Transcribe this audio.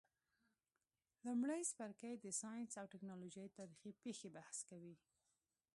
لمړی څپرکی د ساینس او تکنالوژۍ تاریخي پیښي بحث کوي.